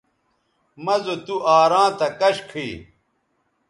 مہ زو تُوآراں تھا کش کھئ